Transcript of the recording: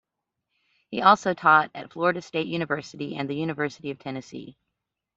He also taught at Florida State University and the University of Tennessee.